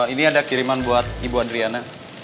ini ada kiriman buat ibu adriana